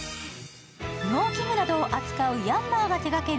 農機具などを扱うヤンマーが手がける